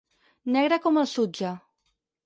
Negre com el sutge.